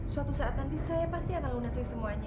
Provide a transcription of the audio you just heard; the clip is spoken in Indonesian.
suatu saat nanti saya pasti akan lunasi semuanya